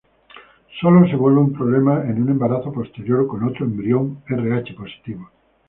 Sólo se vuelve un problema en un embarazo posterior con otro embrión Rh positivo.